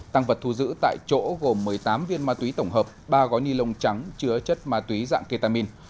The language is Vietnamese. tăng vật thu giữ tại chỗ gồm một mươi tám viên ma túy tổng hợp ba gói ni lông trắng chứa chất ma túy dạng ketamin